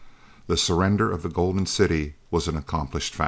The surrender of the Golden City was an accomplished fact!